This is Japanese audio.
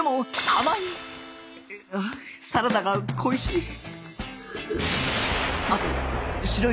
サラダが恋しい。